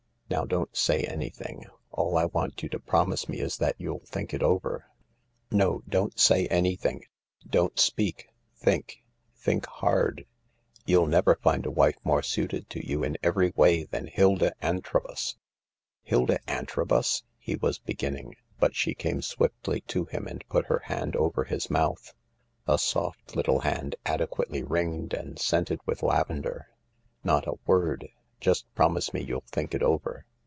Now don't say anything. All I want you to promise me is that you'll think it over. No, don't say anything. Don't speak. Think. Think hard. You'll never find a wife more suited to you in every way than Hilda Antrobus." " Hilda Antrobus I " he was beginning, but she came swiftly to him and put her hand over his mouth. A soft little hand, adequately ringed and scented with lavender. "Not a word; just promise me you'll think it over.